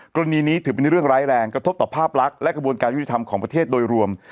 กรณีนี้ถือเป็นเรื่องร้ายแรงกระทบต่อภาพลักษณ์และกระบวนการยุติธรรมของประเทศโดยรวม